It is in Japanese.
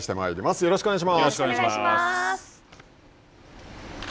よろしくお願いします。